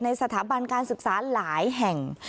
สถาบันการศึกษาหลายแห่ง